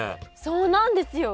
そうなんですよ！